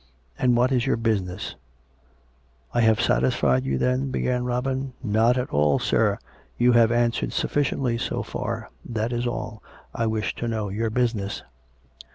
" And what is your business ?"" I have satisfied you, then " began Robin. " Not at all, sir. You have answered sufficiently so far ; that is all. I wish to know your business."